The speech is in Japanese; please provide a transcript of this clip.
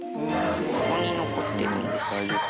ここに残ってるんです。